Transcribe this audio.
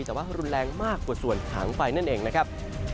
แต่ว่ารุนแรงมากกว่าส่วนถังไฟนั่นเองนะครับ